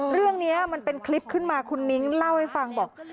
เรื่องนี้มันเป็นคลิปขึ้นมาคุณมิ้งเล่าให้ฟังบอก